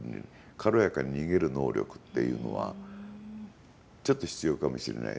軽やかに逃げる能力っていうのはちょっと必要かもしれない。